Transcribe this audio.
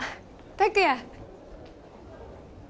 拓也？